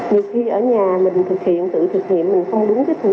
nhiều khi ở nhà mình thực hiện tự thực hiện mình không đúng thủ thuật